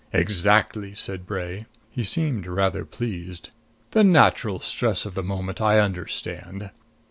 "Exactly," said Bray. He seemed rather pleased. "The natural stress of the moment I understand.